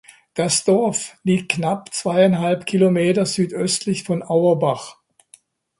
Das Dorf liegt knapp zweieinhalb Kilometer südöstlich von Auerbach.